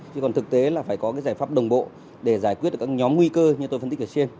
chứ còn thực tế là phải có cái giải pháp đồng bộ để giải quyết được các nhóm nguy cơ như tôi phân tích ở trên